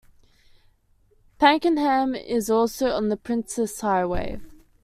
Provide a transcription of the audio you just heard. Pakenham is also on the Princes Highway.